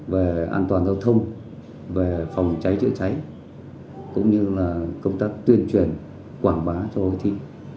về an toàn giao thông về phòng cháy chữa cháy cũng như là công tác tuyên truyền quảng bá cho hội thi